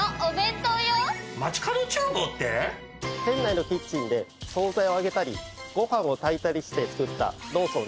店内のキッチンで総菜を揚げたりご飯を炊いたりして作ったローソンならではの商品です。